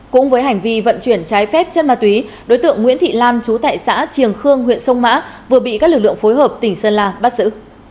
cũng với hành vi vận chuyển trái phép chân ma túy đối tượng nguyễn thị lan chú tại xã triềng khương huyện sông mã vừa bị các lực lượng phối hợp tỉnh sơn la bắt giữ